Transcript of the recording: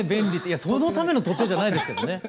いやそのための取っ手じゃないですけどね。